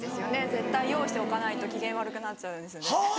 絶対用意しておかないと機嫌悪くなっちゃうんですよね。